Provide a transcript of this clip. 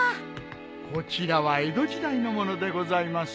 こちらは江戸時代のものでございます。